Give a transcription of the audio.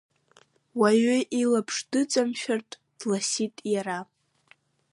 Уаҩы илаԥш дыҵамшәартә, дласит иара.